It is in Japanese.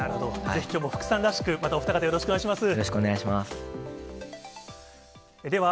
ぜひ、きょうも福さんらしく、またお二方、よろしくお願いします。